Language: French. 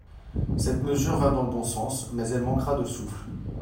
Cette mesure va dans le bon sens, mais elle manquera de souffle.